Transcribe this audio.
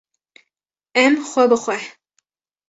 Em xwe bi xwe